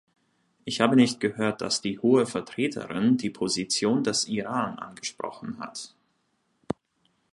Ich habe nicht gehört, dass die Hohe Vertreterin die Position des Iran angesprochen hat.